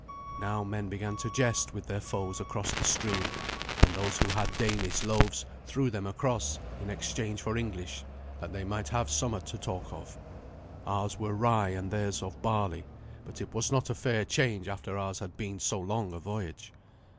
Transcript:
Now men began to jest with their foes across the stream, and those who had Danish loaves threw them across in exchange for English, that they might have somewhat to talk of. Ours were rye, and theirs of barley; but it was not a fair change after ours had been so long a voyage.